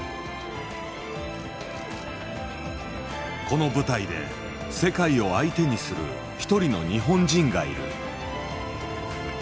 この舞台で世界を相手にする一人の日本人がいる。